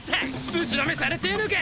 ぶちのめされてぇのか！